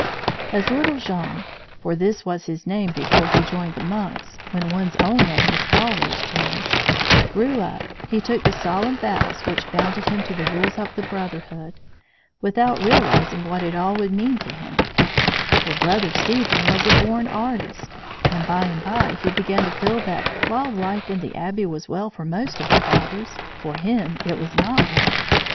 As little Jean (for this was his name before he joined the monks, when one's own name was always changed) grew up, he took the solemn vows which bound him to the rules of the brotherhood without realizing what it all would mean to him; for Brother Stephen was a born artist; and, by and by, he began to feel that while life in the Abbey was well for most of the brothers, for him it was not well.